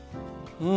うん。